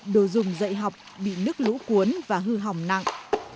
đồ dùng dạy học bị nước lũ cuốn và hư hỏng nặng